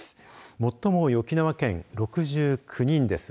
最も多い沖縄県６９人です。